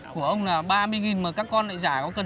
của ông là ba mươi nghìn mà các con lại giả có cần hai tiền